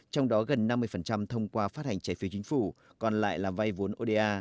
trong đó gần năm mươi thông qua phát hành trái phiếu chính phủ còn lại là vay vốn oda